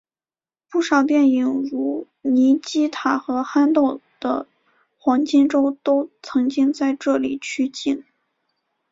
不少电影如尼基塔和憨豆的黄金周都曾经在这里取景。